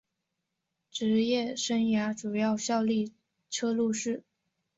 职业生涯主要效力车路士。